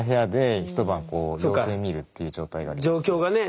状況がね。